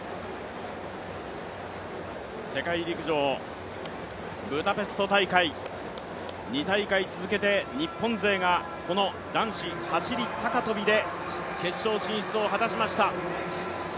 世界陸上ブダペスト大会、２大会続けて日本勢がこの男子走高跳で決勝進出を果たしました。